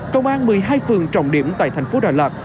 công an một mươi hai phường trọng điểm tại thành phố đà lạt